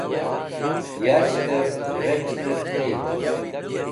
yas̃ht'ev rec̃hn'er tey